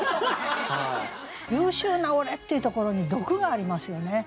「優秀な俺」っていうところに毒がありますよね。